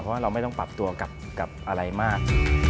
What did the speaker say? เพราะว่าเราไม่ต้องปรับตัวกับอะไรมาก